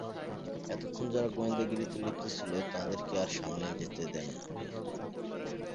এতক্ষণ যারা গোয়েন্দাগিরিতে লিপ্ত ছিল তাদেরকে আর সামনে যেতে দেন না।